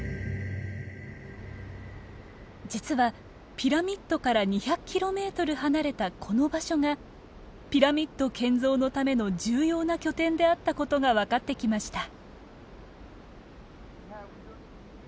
実はピラミッドから２００ｋｍ離れたこの場所がピラミッド建造のための重要な拠点であったことが分かってきました。